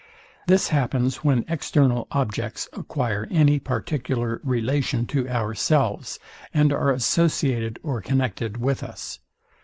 This happens when external objects acquire any particular relation to ourselves, and are associated or connected with us.